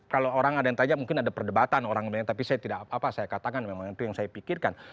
kalau orang ada yang tanya mungkin ada perdebatan orang banyak tapi saya tidak apa saya katakan memang itu yang saya pikirkan